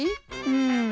うん。